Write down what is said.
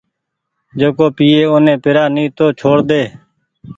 جيڪو پيئي اوني پيرآ ني تو چهوڙ ۮي